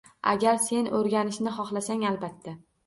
— Agar sen o‘rganishni xohlasang, albatta.